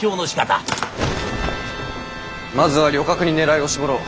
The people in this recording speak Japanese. まずは旅客に狙いを絞ろう。